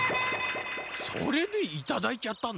それでいただいちゃったの？